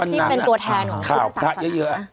ที่เป็นตัวแทนของสังสรรค์